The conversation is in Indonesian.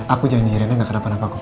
aku janji rena gak kenapa kenapaku